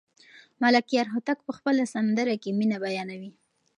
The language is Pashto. ملکیار هوتک په خپله سندره کې مینه بیانوي.